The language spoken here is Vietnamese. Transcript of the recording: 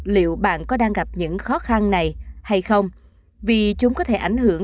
liệu bạn có đang gặp những khó khăn này hay không vì chúng có thể ảnh hưởng